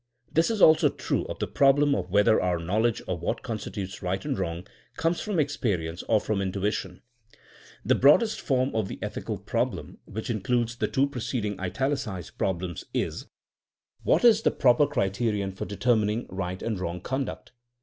This is also true of the problem of whether our knowledge of what constitutes right and wrong comes from experience or from in tuition. The broadest form of the ethical problem, 218 THINKING A8 A SOIENOE which includes the two preceding itaUcized prob lems, is : What is the proper criterion for determining right and wrong conduct?